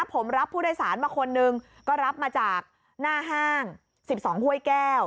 ผมรับผู้โดยสารมาคนนึงก็รับมาจากหน้าห้าง๑๒ห้วยแก้ว